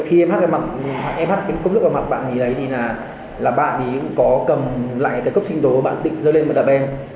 khi em hắt cốc lưỡi vào mặt bạn ấy thì bạn ấy có cầm lại cốc sinh đồ bạn tịnh rơi lên và đập em